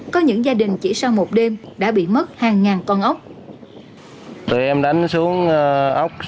có những gia đình chỉ sau một đêm đã bị mất hàng ngàn con ốc